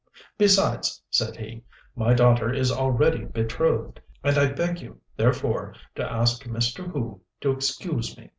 "Besides," added he, "my daughter is already betrothed, and I beg you, therefore, to ask Mr. Hu to excuse me."